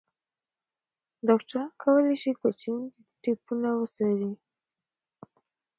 ډاکټران کولی شي کوچني ټپونه وڅاري.